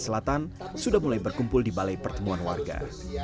selatan sudah mulai berkumpul di balai pertemuan warga